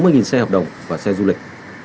với gần sáu mươi xe hợp đồng và xe du lịch